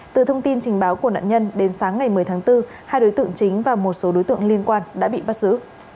từ thông tin trình báo của nạn nhân đến sáng ngày một mươi tháng bốn hai đối tượng chính và một số đối tượng liên quan đã bị bắt giữ